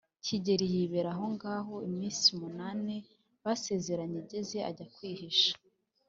Gikeli yibera ahongaho, iminsi munani basezeranye igeze, ajya kwihisha